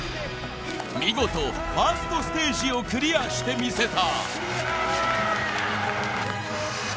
見事ファーストステージをクリアしてみせた